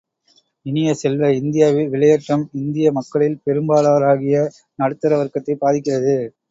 இனிய செல்வ, இந்தியாவில் விலையேற்றம் இந்திய மக்களில் பெரும்பாலோராகிய நடுத்தர வர்க்கத்தைப் பாதிக்கிறது.